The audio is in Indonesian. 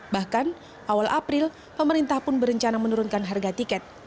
bahkan awal april pemerintah pun berencana menurunkan harga tiket